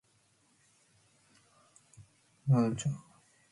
Abucquid chiac